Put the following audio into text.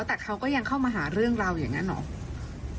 แต่เขาก็ยังเข้ามาหาเรื่องเราอย่างนั้นเหรอ